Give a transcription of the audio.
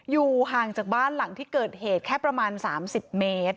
อยู่ห่างจากบ้านหลังที่เกิดเหตุแค่ประมาณ๓๐เมตร